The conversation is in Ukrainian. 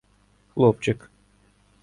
— Хлопчик.